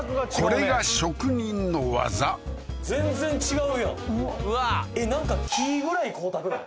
これが職人の技なんか木ぐらい光沢ない？